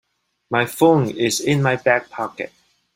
My phone is in my back pocket.